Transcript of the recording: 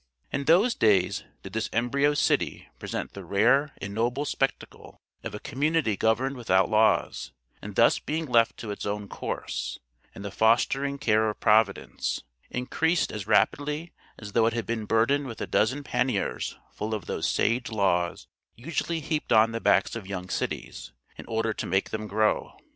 In those days did this embryo city present the rare and noble spectacle of a community governed without laws; and thus being left to its own course, and the fostering care of Providence, increased as rapidly as though it had been burdened with a dozen panniers full of those sage laws usually heaped on the backs of young cities in order to make them grow.